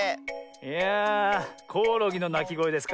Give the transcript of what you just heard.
いやあコオロギのなきごえですか。